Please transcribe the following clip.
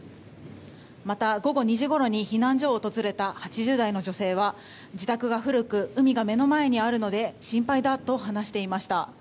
また午後２時ごろに避難所を訪れた８０代の女性は自宅が古く海が目の前にあるので心配だと話していました。